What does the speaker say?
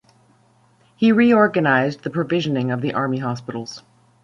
He reorganized the provisioning of the army hospitals.